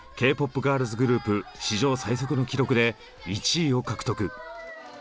ガールズグループ史上最速の記録で１位を獲得。